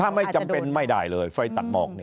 ถ้าไม่จำเป็นไม่ได้เลยไฟตัดหมอก